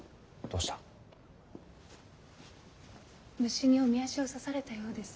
虫におみ足を刺されたようです。